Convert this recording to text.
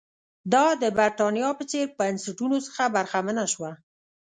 دا د برېټانیا په څېر بنسټونو څخه برخمنه شوه.